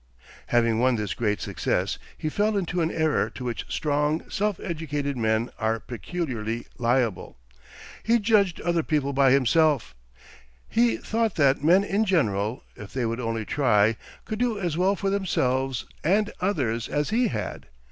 Having won this great success, he fell into an error to which strong, self educated men are peculiarly liable, he judged other people by himself. He thought that men in general, if they would only try, could do as well for themselves and others as he had.